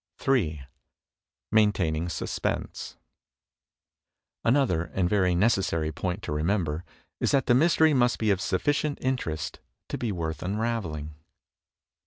J. Maintaining Suspense Another and very necessary point to remember is that the mystery must be of sufficient interest to be worth unraveling.